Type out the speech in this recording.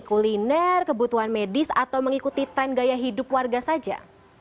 kuliner kebutuhan medis atau mengikuti tren gaya hidup warga saja